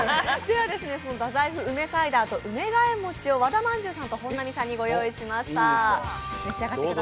その太宰府梅サイダーと梅ヶ枝餅を和田まんじゅうと本並さんにご用意しました。